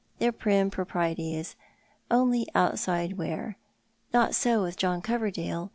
Their prim propriety is only outside wear. Not so witli John Coverdale.